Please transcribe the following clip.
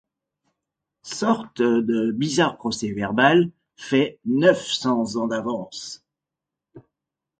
Sorte de bizarre procès-verbal fait neuf cents ans d’avance.